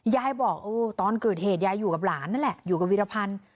ยายบอกโอ้ตอนเกิดเหตุยายอยู่กับหลานนั่นแหละอยู่กับวีรพันธ์